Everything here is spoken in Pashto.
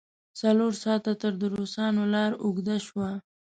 څلور ساعته تر دروساتو لار اوږده شوه.